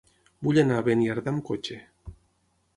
Vull anar a Beniardà amb cotxe.